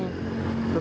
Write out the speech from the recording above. sampenan juga ada